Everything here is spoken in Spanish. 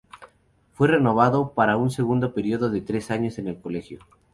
Fue renovado para un segundo periodo de tres años en el colegio.